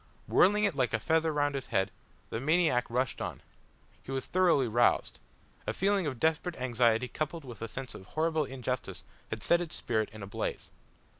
Whirling it like a feather round his head, the maniac rushed on. He was thoroughly roused. A feeling of desperate anxiety coupled with a sense of horrible injustice had set his spirit in a blaze.